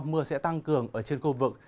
mưa sẽ tăng cường ở trên khu vực